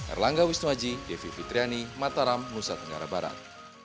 erlangga wisnuaji devi fitriani mataram nusa tenggara barat